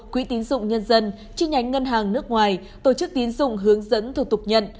quỹ tín dụng nhân dân chi nhánh ngân hàng nước ngoài tổ chức tín dụng hướng dẫn thủ tục nhận